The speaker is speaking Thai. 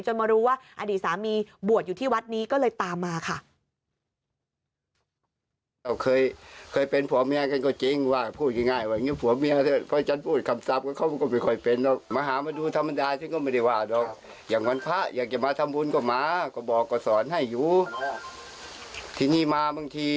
มารู้ว่าอดีตสามีบวชอยู่ที่วัดนี้ก็เลยตามมาค่ะ